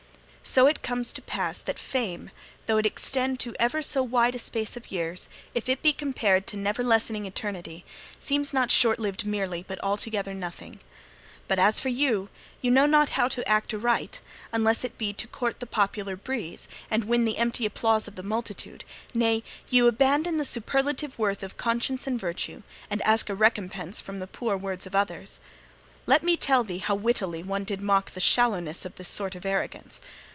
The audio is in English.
So it comes to pass that fame, though it extend to ever so wide a space of years, if it be compared to never lessening eternity, seems not short lived merely, but altogether nothing. But as for you, ye know not how to act aright, unless it be to court the popular breeze, and win the empty applause of the multitude nay, ye abandon the superlative worth of conscience and virtue, and ask a recompense from the poor words of others. Let me tell thee how wittily one did mock the shallowness of this sort of arrogance.